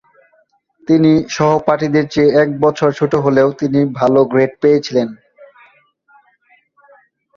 তিনি সহপাঠীদের চেয়ে এক বছর ছোট হলেও তিনি ভাল গ্রেড পেয়েছিলেন।